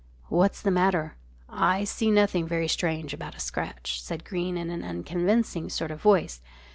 "What's the matter? I see nothing very strange about a scratch," said Greene, in an unconvincing sort of voice.